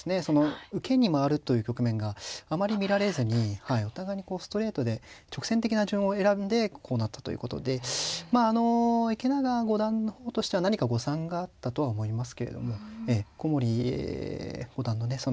受けに回るという局面があまり見られずにお互いにこうストレートで直線的な順を選んでこうなったということでまああの池永五段の方としては何か誤算があったとは思いますけれども古森五段のね